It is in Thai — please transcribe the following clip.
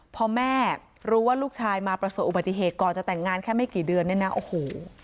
พอแม่รู้ว่าลูกชายมาประสบอุบัติเหตุก่อนจะแต่งงานแค่ไม่กี่เดือนเนี่ยนะโอ้โห